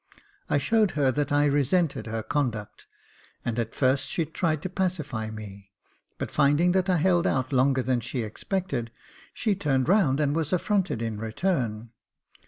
I showed her that I resented her conduct, and at first she tried to pacify me ; but finding that I held out longer than she expected, she turned round and was affronted in return.